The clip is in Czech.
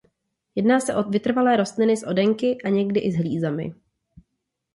Jedná se o vytrvalé rostliny s oddenky a někdy i s hlízami.